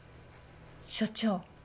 所長